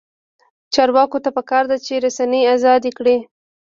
چارواکو ته پکار ده چې، رسنۍ ازادې کړي.